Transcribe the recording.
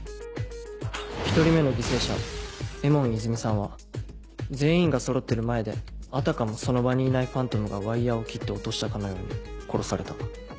１人目の犠牲者絵門いずみさんは全員がそろってる前であたかもその場にいないファントムがワイヤを切って落としたかのように殺された。